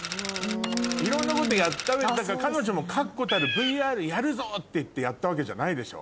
いろんなことをやった上で彼女も確固たるＶＲやるぞっていってやったわけじゃないでしょ？